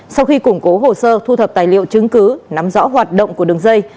sau khi củng cố hồ sơ thu thập tài liệu chứng cứ nắm rõ hoạt động của đường dây